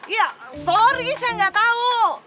ya sorry saya gak tau